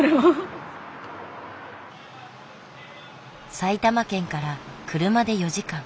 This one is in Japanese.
埼玉県から車で４時間。